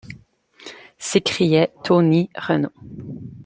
s’écriait Tony Renault.